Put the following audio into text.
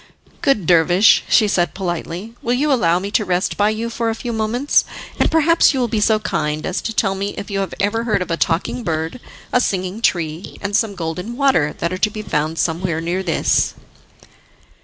"Good dervish," she said politely, "will you allow me to rest by you for a few moments, and perhaps you will be so kind as to tell me if you have ever heard of a Talking Bird, a Singing Tree, and some Golden Water that are to be found somewhere near this?"